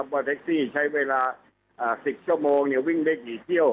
ว่าแท็กซี่ใช้เวลา๑๐ชั่วโมงวิ่งได้กี่เที่ยว